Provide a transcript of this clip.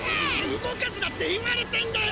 動かすなって言われてんだよ！